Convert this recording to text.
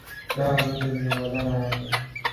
dawa zote zina madhara yake.